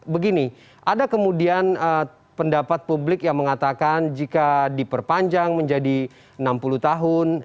begini ada kemudian pendapat publik yang mengatakan jika diperpanjang menjadi enam puluh tahun